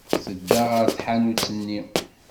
Tedda ɣer tḥanut-nni.